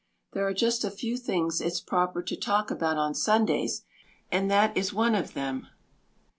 There are just a few things it's proper to talk about on Sundays and that is one of them.